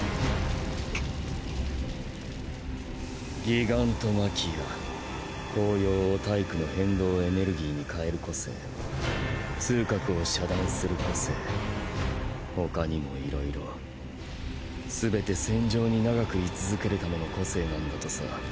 ギガントマキア高揚を体躯の変動エネルギーに変える個性痛覚を遮断する個性他にも色々全て戦場に長く居続ける為の個性なんだとさ。